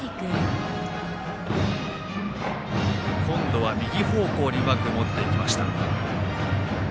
今度は右方向にうまくもっていきました。